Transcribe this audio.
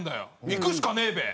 行くしかねえべ！」